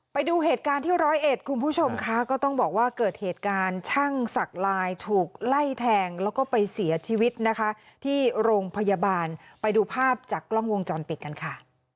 ไปดูเหตุการณ์ที่ร้อยเอ็ดคุณผู้ชมค่ะก็ต้องบอกว่าเกิดเหตุการณ์ช่างศักดิ์ลายถูกไล่แทงแล้วก็ไปเสียชีวิตนะคะที่โรงพยาบาลไปดูภาพจากกล้องวงจรปิดกันค่ะ